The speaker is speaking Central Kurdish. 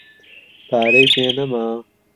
پارەی پێ نەما.